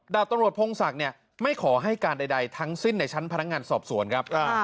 ดาบตำรวจพงศักดิ์ไม่ขอให้การใดทั้งสิ้นในชั้นพนักงานสอบสวนครับ